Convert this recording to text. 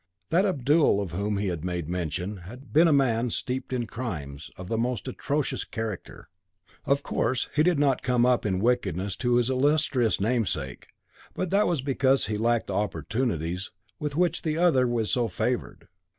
That Abdul of whom he had made mention had been a man steeped in crimes of the most atrocious character. Of course, he did not come up in wickedness to his illustrious namesake, but that was because he lacked the opportunities with which the other is so favoured.